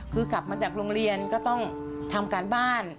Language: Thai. คือกลับมาจากโรงเรียนก็ต้องทำการบ้าน